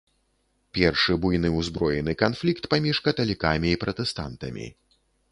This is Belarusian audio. Першы буйны ўзброены канфлікт паміж каталікамі і пратэстантамі.